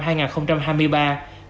các doanh nghiệp bán lệch tiêu dùng